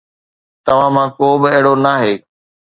توهان مان ڪو به اهڙو ناهي